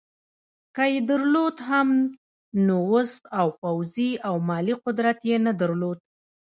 که یې درلود هم نو وس او پوځي او مالي قدرت یې نه درلود.